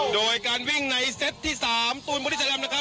โดยการวิ่งในเซตที่๓ตูนบอดี้แลมนะครับ